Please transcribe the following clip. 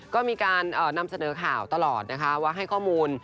ก็มีการนำเสนอข่าวตลอดนะคะว่าให้ข้อมูล